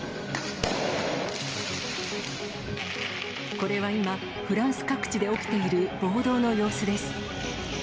これは今、フランス各地で起きている暴動の様子です。